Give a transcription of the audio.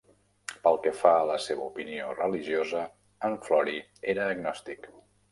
Pel que fa a la seva opinió religiosa, en Florey era agnòstic.